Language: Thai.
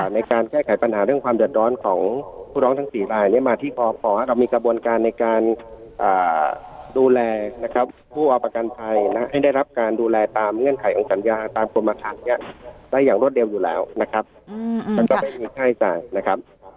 ในการแก้ไขปัญหาเรื่องความหยดร้อนของผู้ร้องทั้งสี่รายเนี่ยมาที่ครอบครอบครอบมีกระบวนการในการดูแลนะครับผู้เอาประกันภัยได้รับการดูแลตามเงื่อนไขของศัลยาตามประมาททั้งสี่รายได้อย่างรถเดียวอยู่แล้วนะครับ